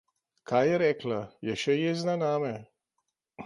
Kaj je rekla? Je še jezna name?